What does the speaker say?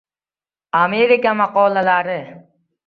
Amerika maqollari